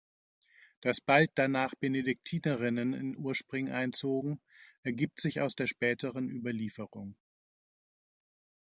Dass bald danach Benediktinerinnen in Urspring einzogen, ergibt sich aus der späteren Überlieferung.